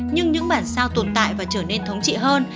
nhưng những bản sao tồn tại và trở nên thống trị hơn